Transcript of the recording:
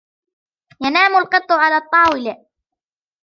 ينام القط على الطاولة.